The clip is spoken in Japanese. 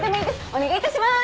お願いいたします！